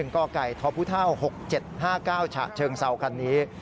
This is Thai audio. กไก่ทพ๖๗๕๙ฉะเชิงเซาคันนี้